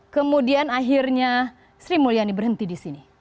kemudian akhirnya sri mulyani berhenti di sini